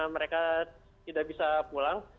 mereka tidak bisa pulang